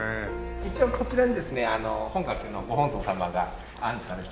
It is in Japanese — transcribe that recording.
一応こちらにですね本学のご本尊様が安置されてますので。